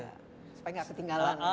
supaya gak ketinggalan